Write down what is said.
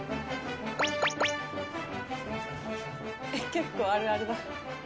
「結構あるあるだ」